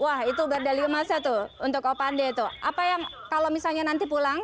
wah itu berdali emasnya tuh untuk opande tuh apa yang kalau misalnya nanti pulang